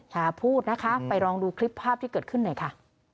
หาพูดนะคะไปลองดูคลิปภาพที่เกิดขึ้นหน่อยค่ะ